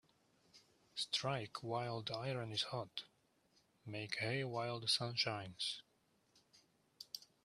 Strike while the iron is hot Make hay while the sun shines